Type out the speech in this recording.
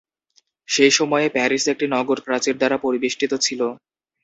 সেই সময়ে, প্যারিস একটি নগর প্রাচীর দ্বারা পরিবেষ্টিত ছিল।